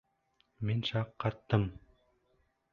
Мин шаҡ ҡаттым.